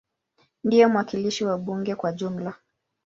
Ndiye mwakilishi wa bunge kwa ujumla.